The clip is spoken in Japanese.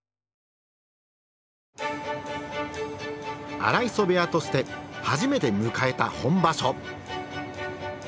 荒磯部屋として初めて迎えた本場所。